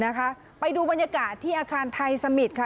นะคะไปดูบรรยากาศที่อาคารไทยสมิตรค่ะ